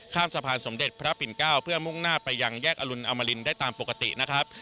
สะพานสมเด็จพระปิ่นเก้าเพื่อมุ่งหน้าไปยังแยกอรุณอมรินได้ตามปกตินะครับ